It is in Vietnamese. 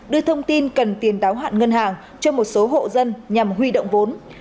đưa thông tin cần tiền đáo hạn ngân hàng cho một số hộ dân nhằm huy động vốn